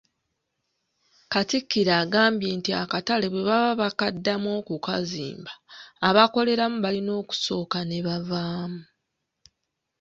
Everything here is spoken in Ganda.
Katikkiro agambye nti akatale bwe baba bakaddamu okukazimba, abakoleramu balina okusooka ne bavaamu.